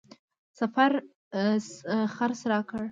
سفر خرڅ راکړ.